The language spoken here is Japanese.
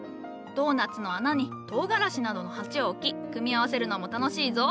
ドーナツの穴にトウガラシなどの鉢を置き組み合わせるのも楽しいぞ。